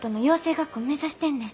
学校目指してんねん。